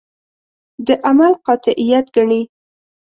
د عمل قاطعیت ګڼي.